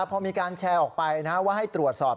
พอมีการแชร์ออกไปว่าให้ตรวจสอบ